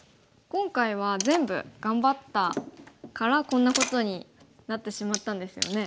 今回は全部頑張ったからこんなことになってしまったんですよね。